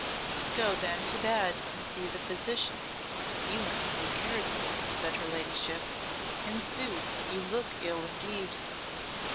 "Go then to bed and see the physician. You must be cared for," said her ladyship. "In sooth, you look ill indeed."